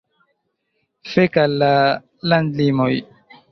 Fek al la landlimoj.